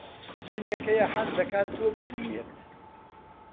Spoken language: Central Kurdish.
ژنێک هەیە حەز دەکات تۆ ببینێت.